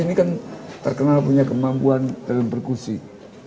ini kan terkenal punya kemampuan dalam berkusik